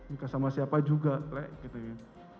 nikah sama siapa juga lek gitu gitu